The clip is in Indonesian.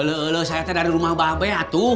lo lo saya dari rumah bapak be